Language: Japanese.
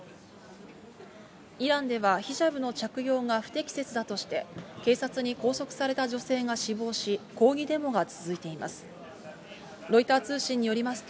イランではヒジャブの着用が不適切だとして、警察に拘束された女性が死亡し、抗議デモが続いています。